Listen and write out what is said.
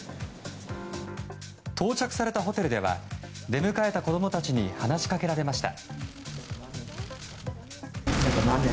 到着されたホテルでは出迎えた子供たちに話しかけられました。